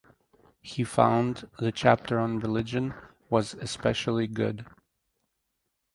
He found the chapter on religion was "especially good".